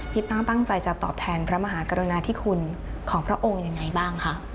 ป้าตั้งใจจะตอบแทนพระมหากรุณาธิคุณของพระองค์ยังไงบ้างคะ